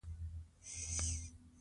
میکا وايي پلار یې د پرېکړې درناوی کوي.